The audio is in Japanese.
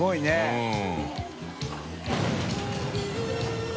うん。